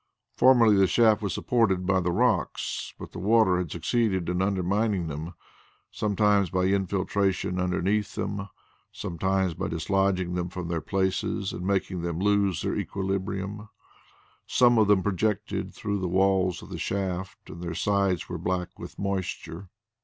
Formerly the shaft was supported by the rocks, but the water had succeeded in undermining them, sometimes by infiltration underneath them, sometimes by dislodging them from their places and making them lose their equilibrium; some of them projected through the walls of the shaft and their sides were black with moisture.